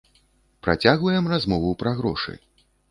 Працягваем размову пра грошы.